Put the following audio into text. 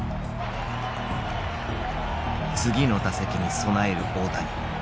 次の打席に備える大谷。